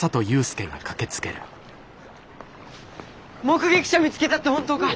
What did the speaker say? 目撃者見つけたって本当か？